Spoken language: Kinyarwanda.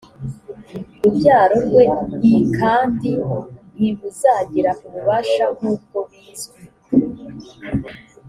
rubyaro rwe l kandi ntibuzagira ububasha nk ubwo bizwi